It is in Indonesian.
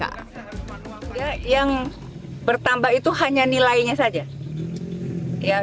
ya yang bertambah itu hanya nilainya saja